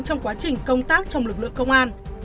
trong quá trình công tác trong lực lượng công an